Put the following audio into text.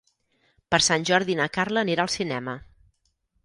Per Sant Jordi na Carla anirà al cinema.